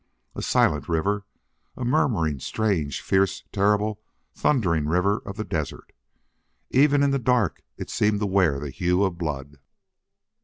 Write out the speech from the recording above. A silent river, a murmuring, strange, fierce, terrible, thundering river of the desert! Even in the dark it seemed to wear the hue of blood.